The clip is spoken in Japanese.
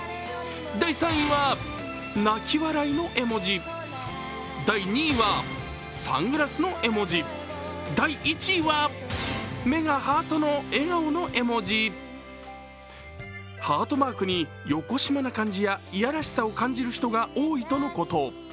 第３位は泣き笑いの絵文字、第２位はサングラスの絵文字、第１位は目がハートの笑顔の絵文字ハートマークによこしまな感じや嫌らしさを感じる人が多いとのこと。